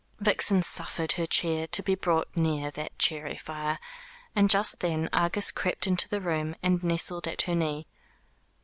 Vixen suffered her chair to be brought near that cheery fire, and just then Argus crept into the room and nestled at her knee.